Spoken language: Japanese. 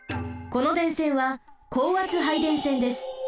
この電線は高圧配電線です。